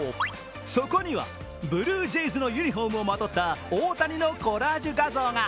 そこにはブルージェイズのユニフォームをまとった大谷のコラージュ画像が。